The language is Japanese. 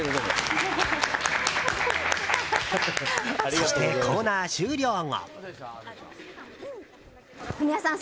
そして、コーナー終了後。